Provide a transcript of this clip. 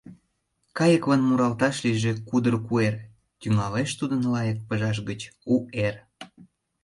Кайыклан муралташ лийже кудыр куэр, Тӱҥалеш тудын лайык пыжаш гыч у эр.